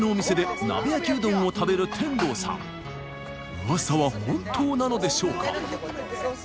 ウワサは本当なのでしょうか？